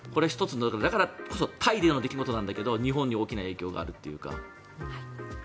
だからこそタイでの出来事だけど日本に大きな影響があるというか。